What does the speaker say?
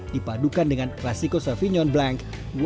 dipadukan dengan classico sauvignon blanc dua ribu delapan belas